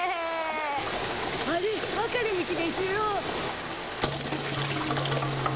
あれ分かれ道でしゅよ。